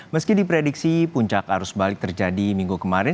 meski diprediksi puncak arus balik terjadi minggu kemarin